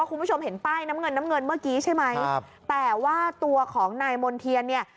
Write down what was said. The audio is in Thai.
คุณผู้ชมเห็นป้ายน้ำเงินน้ำเงินเมื่อกี้ใช่ไหมครับแต่ว่าตัวของนายมณ์เทียนเนี่ย